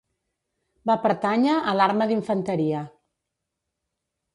Va pertànyer a l'arma d'infanteria.